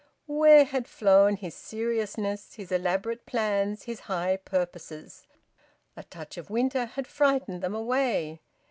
Where had flown his seriousness, his elaborate plans, his high purposes? A touch of winter had frightened them away.